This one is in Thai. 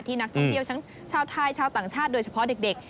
นักท่องเที่ยวทั้งชาวไทยชาวต่างชาติโดยเฉพาะเด็ก